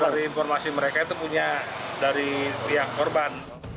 dari informasi mereka itu punya dari pihak korban